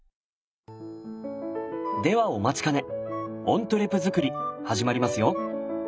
ではお待ちかねオントゥレ作り始まりますよ。